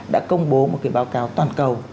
đã công bố một cái báo cáo toàn cầu